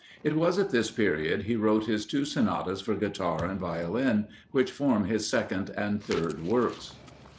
It was at this period he wrote his two sonatas for Guitar and Violin, which form his second and third works.